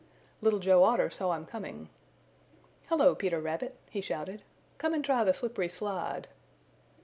Little Joe Otter saw him coming. "Hello, Peter Rabbit!" he shouted. "Come and try the slippery slide."